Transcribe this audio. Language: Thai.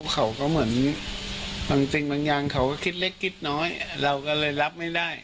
เขาก็เหมือนบางสิ่งบางอย่างเขาก็คิดเล็กคิดน้อยเราก็เลยรับไม่ได้